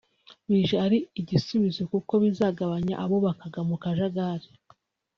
bije ari igisubizo kuko bizagabanya abubakaga mu kajagali